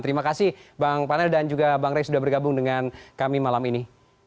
terima kasih bang panel dan juga bang rey sudah bergabung dengan kami malam ini